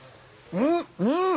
うん！